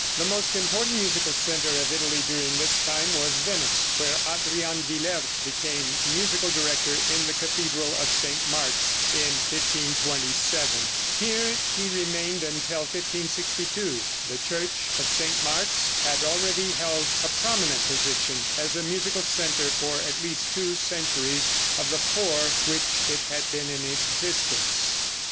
The most important musical center of Italy during this time was Venice, where Adrian Willaert became musical director in the cathedral of St. Mark's, in 1527. Here he remained until 1562. The church of St. Mark's had already held a prominent position as a musical center at least two centuries of the four which it had been in existence.